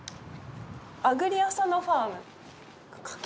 「アグリアサノファーム」。